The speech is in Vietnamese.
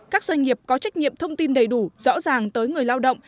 các doanh nghiệp có trách nhiệm thông tin đầy đủ rõ ràng tới người lao động